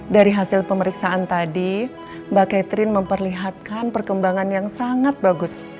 dari hasil pemeriksaan tadi mbak catherine memperlihatkan perkembangan yang sangat bagus